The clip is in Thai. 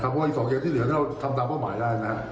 เพราะว่าอีก๒เกมที่เหลือเราทำตามเป้าหมายได้นะครับ